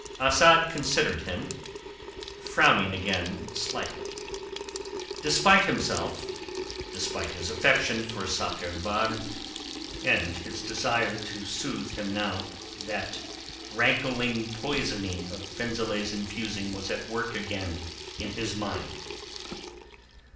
Asad considered him, frowning again slightly. Despite himself, despite his affection for Sakr el Bahr, and his desire to soothe him now that rankling poison of Fenzileh's infusing was at work again in his mind.